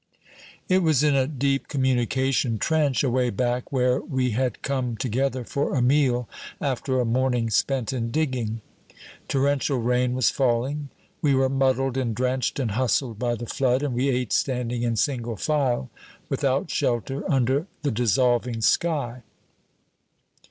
It was in a deep communication trench, away back, where we had come together for a meal after a morning spent in digging. Torrential rain was falling. We were muddled and drenched and hustled by the flood, and we ate standing in single file, without shelter, under the dissolving sky.